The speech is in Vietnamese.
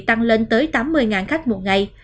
tăng lên tới tám mươi khách một ngày